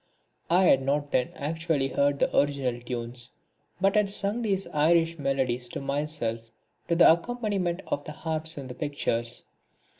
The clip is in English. I had not then actually heard the original tunes, but had sung these Irish Melodies to myself to the accompaniment of the harps in the pictures.